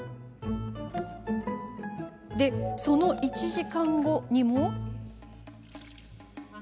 その１時間後にも。